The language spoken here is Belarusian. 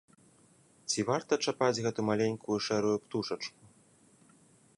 Ці варта чапаць гэту маленькую шэрую птушачку?